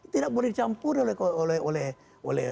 tidak boleh dicampur oleh